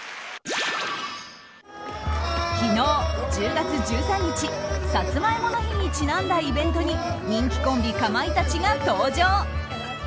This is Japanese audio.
昨日、１０月１３日さつまいもの日にちなんだイベントに、人気コンビかまいたちが登場。